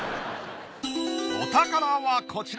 お宝はこちら。